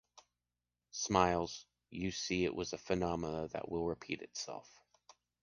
(Smiles.) You’ll see, it’s a phenomenon that will repeat itself.